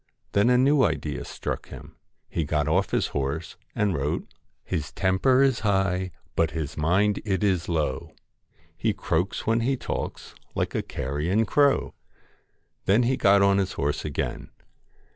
Then a new idea struck him. He got off his horse and wrote ' His temper is high, but his mind it is low, He croaks when he talks like a carrion crow.' Then he got on his horse again.